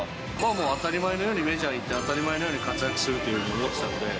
当たり前のようにメジャー行って、当たり前のように活躍すると思ってたので。